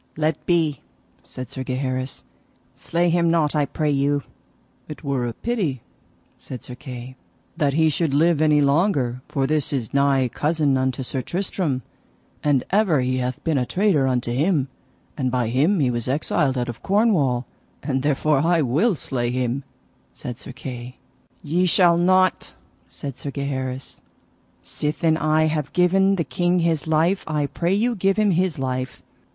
Let be, said Sir Gaheris, slay him not I pray you. It were pity, said Sir Kay, that he should live any longer, for this is nigh cousin unto Sir Tristram, and ever he hath been a traitor unto him, and by him he was exiled out of Cornwall, and therefore I will slay him, said Sir Kay. Ye shall not, said Sir Gaheris; sithen I have given the king his life, I pray you give him his life.